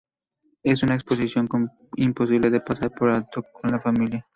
Es una exposición imposible de pasar por alto con la familia.